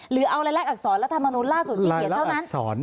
หรือเอารายแรกอักษรรัฐมนุนล่าสุดที่เขียนเท่านั้น